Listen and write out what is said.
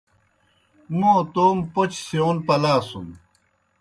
موں تومہ پوْچہ سِیون پلاسُن۔